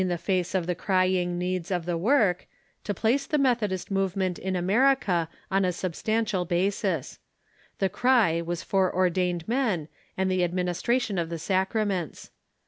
AMERICAN METHODISM 535 crying needs of the work, to place the Methodist movement in America on a substantial basis. The cry was for ordained men and the administration of the sacraments.